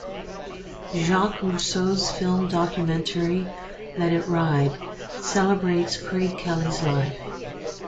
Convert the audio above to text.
Jacques Russo's film documentary, "Let It Ride", celebrates Craig Kelly's life.